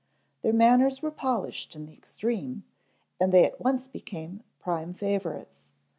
Their manners were polished in the extreme and they at once became prime favorites.